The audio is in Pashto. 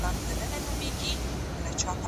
هغه د خپلو اولادونو لپاره حلاله روزي پیدا کوي.